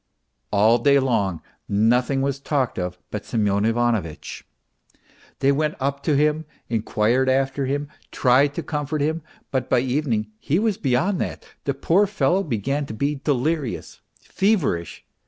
All day long nothing was talked of but Semyon Ivanovitch. They went up to him, inquired after him, tried to comfort him ; but by the evening he was beyond that. The poor fellow began to be delirious, feverish.